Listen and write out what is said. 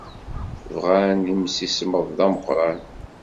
Bɣan imsismeḍ d ameqqran.